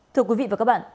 thưa quý vị và các bạn